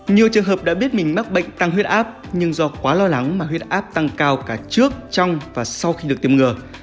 nhiều trường hợp đã biết mình mắc bệnh tăng huyết áp nhưng do quá lo lắng mà huyết áp tăng cao cả trước trong và sau khi được tiêm ngừa